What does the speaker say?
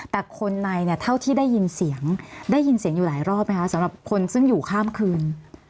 แต่คนในเนี่ยเท่าที่ได้ยินเสียงได้ยินเสียงอยู่หลายรอบไหมคะสำหรับคนซึ่งอยู่ข้ามคืน